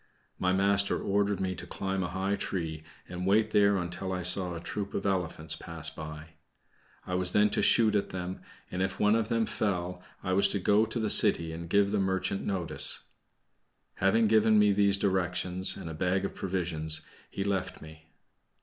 My master ordered me to climb a high tree, and wait there until I saw a troop of elephants pass by. I was then to shoot at them, and if one of them fell, I was to go to the city and give the merchant notice. Having given me these directions, and a bag of provisions, he left me.